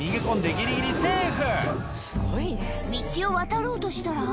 ギリギリセーフ！